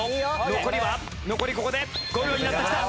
残りは残りここで５秒になってきた。